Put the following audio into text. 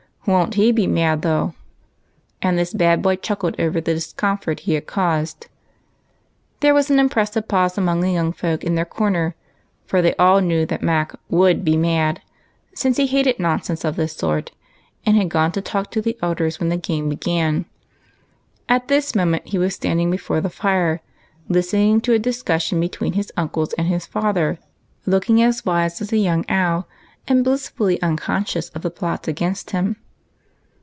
Won't he be mad, though ?"— and this bad boy chuckled over the dis comfort he had caused two harmless beings. There was an impressive pause among the young folks in their corner, for they all knew that Mac looulcl "be mad," since he hated nonsense of this sort, and had gone to talk with the elders when the game began. At this moment he was standing before the fire, listening to a discussion between his uncles and his father, looking as wise as a young owl, and blissfully unconscious of the plots against him.